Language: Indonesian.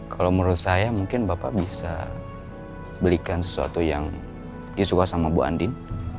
kalau menurut saya mungkin bapak bisa belikan sesuatu yang dia suka sama bu andin